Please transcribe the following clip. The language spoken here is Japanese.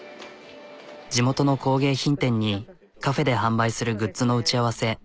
地元の工芸品店にカフェで販売するグッズの打ち合わせ。